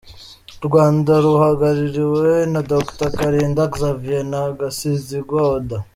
U Rwanda ruhagarariwe na Dr Kalinda Xavier na Gasinzigwa Oda.